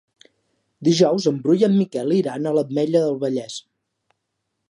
Dijous en Bru i en Miquel iran a l'Ametlla del Vallès.